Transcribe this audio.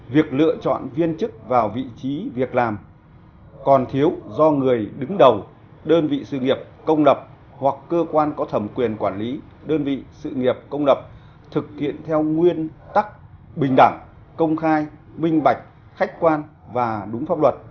việc lựa chọn viên chức vào vị trí việc làm còn thiếu do người đứng đầu đơn vị sự nghiệp công lập hoặc cơ quan có thẩm quyền quản lý đơn vị sự nghiệp công lập thực hiện theo nguyên tắc bình đẳng công khai minh bạch khách quan và đúng pháp luật